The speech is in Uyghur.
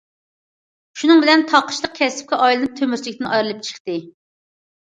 شۇنىڭ بىلەن تاقىچىلىق كەسىپكە ئايلىنىپ تۆمۈرچىلىكتىن ئايرىلىپ چىقتى.